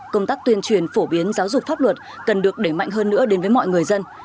công tác tuyên truyền phổ biến giáo dục pháp luật cần được đẩy mạnh hơn nữa đến với mọi người dân